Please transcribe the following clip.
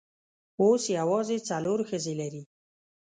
اوس یوازې څلور ښځې لري.